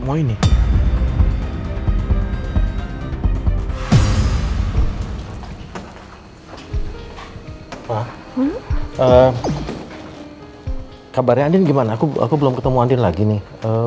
wah ini kabarnya andin gimana aku belum ketemu andin lagi nih